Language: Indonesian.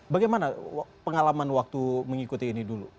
bagaimana pengalaman waktu mengikuti ini dulu